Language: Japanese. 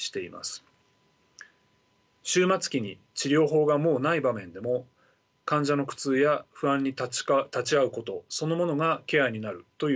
終末期に治療法がもうない場面でも患者の苦痛や不安に立ち会うことそのものがケアになるというのです。